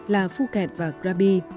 là phuket và krabi